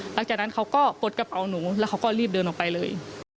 หลังจากนั้นเขาก็กดกระเป๋าหนูแล้วเขาก็รีบเดินออกไปเลย